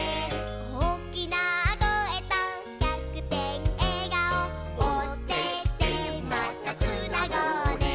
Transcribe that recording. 「おおきなこえと１００てんえがお」「オテテまたつなごうね」